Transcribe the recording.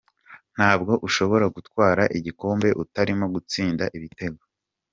Ntabwo ushobora gutwara igikombe utarimo gutsinda ibitego.